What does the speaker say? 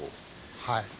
はい。